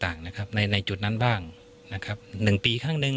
ต่างนะครับในในจุดนั้นบ้างนะครับหนึ่งปีข้างหนึ่ง